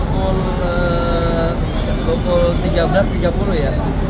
pukul tiga belas tiga puluh ya